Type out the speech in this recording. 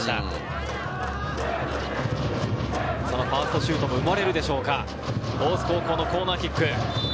そのファーストシュートも生まれるでしょうか、大津高校のコーナーキック。